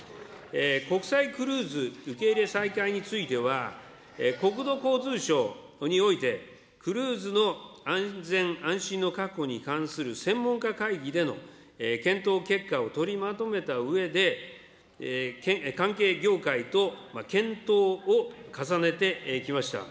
国際クルーズ受け入れ再開については、国土交通省において、クルーズの安全安心の確保に関する専門家会議での検討結果を取りまとめたうえで、関係業界と検討を重ねてきました。